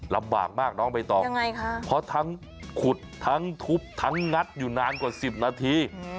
ลำบากมากน้องไปต่อพอทั้งขุดทั้งทุบทั้งงัดอยู่นานกว่า๑๐นาที